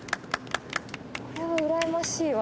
これはうらやましいわ。